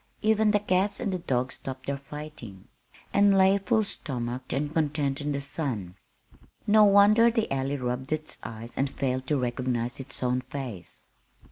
Even the cats and the dogs stopped their fighting, and lay full stomached and content in the sun. No wonder the Alley rubbed its eyes and failed to recognize its own face!